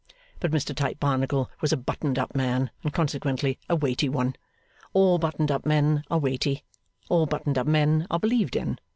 But Mr Tite Barnacle was a buttoned up man, and consequently a weighty one. All buttoned up men are weighty. All buttoned up men are believed in.